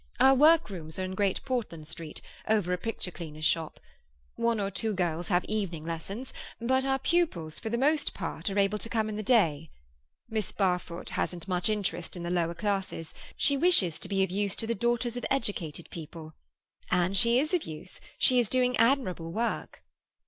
Our workrooms are in Great Portland Street, over a picture cleaner's shop. One or two girls have evening lessons, but our pupils for the most part are able to come in the day. Miss Barfoot hasn't much interest in the lower classes; she wishes to be of use to the daughters of educated people. And she is of use. She is doing admirable work."